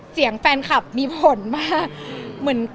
เสียงแฟนคลับมีผลมาก